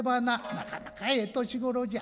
なかなかええ年頃じゃ。